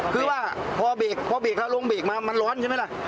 คือว่าพอเบรกแล้วลงเบรกมามันร้อนใช่ไหมล่ะ